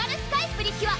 プリキュア